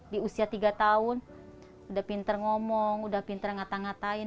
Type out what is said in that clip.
di usia tiga tahun udah pinter ngomong udah pinter ngata ngatain